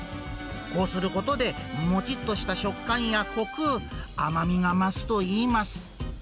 こうすることで、もちっとした食感やこく、甘みが増すといいます。